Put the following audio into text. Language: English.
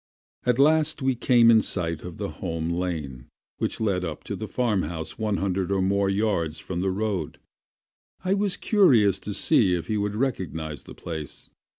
At last we came in sight of the home lane, which led up to the farmhouse one hundred or more yards from the road. I was curious to see if he would recognize the place.